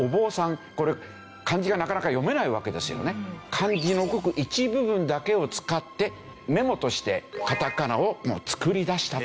漢字のごく一部分だけを使ってメモとしてカタカナを作り出したと。